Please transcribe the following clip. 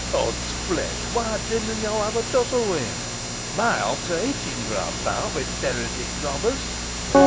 "Odds flesh! whey didna yo ha' a tussle wi' him? Mey honts are itchen for a bowt wi' t' heretic robbers.